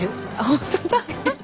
本当だ！